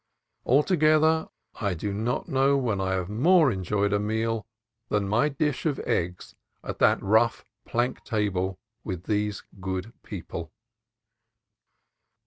Altogether, I do not know when I have more enjoyed a meal than my dish of eggs at that rough plank table with these good people.